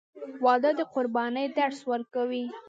• واده د قربانۍ درس ورکوي.